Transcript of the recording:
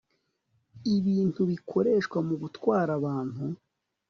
ibintu bikoreshwa mu gutwara abantu